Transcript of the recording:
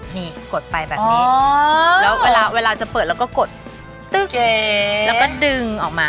นี่กดไปแบบนี้แล้วเวลาจะเปิดเราก็กดตึ๊กแล้วก็ดึงออกมา